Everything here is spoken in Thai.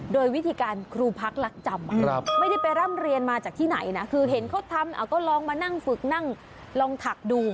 โดยวิธีการครูพักรักจำไม่ได้ไปร่ำเรียนมาจากที่ไหนนะคือเห็นเขาทำก็ลองมานั่งฝึกนั่งลองถักดู